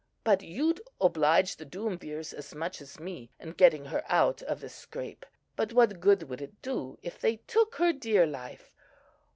But you'd oblige the Duumvirs as much as me in getting her out of the scrape. But what good would it do, if they took her dear life?